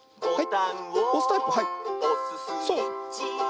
はい！